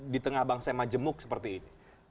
di tengah bangsa emak jemuk seperti ini